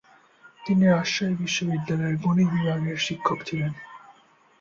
তিনি রাজশাহী বিশ্ববিদ্যালয়ের গণিত বিভাগের শিক্ষক ছিলেন।